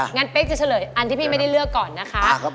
งั้นเป๊กจะเฉลยอันที่พี่ไม่ได้เลือกก่อนนะคะ